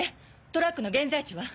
トラックの現在地は？